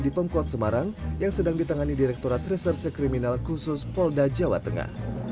di pemkot semarang yang sedang ditangani direkturat reserse kriminal khusus polda jawa tengah